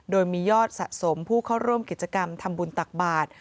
โดยมียอดสะสมผู้เข้าร่วมกิจกรรมทำบุญตักบาท